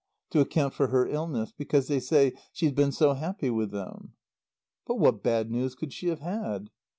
To account for her illness. Because they say she's been so happy with them." "But what bad news could she have had?"